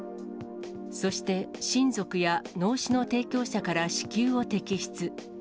そして親族や脳死の提供者から子宮を摘出。